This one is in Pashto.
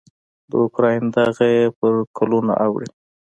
د اوکراین دغه یې پر کلونو اوړي.